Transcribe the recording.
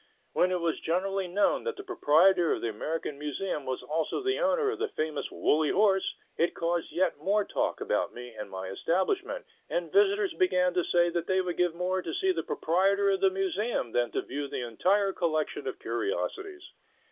When it was generally known that the proprietor of the American Museum was also the owner of the famous "Woolly Horse," it caused yet more talk about me and my establishment, and visitors began to say that they would give more to see the proprietor of the Museum than to view the entire collection of curiosities.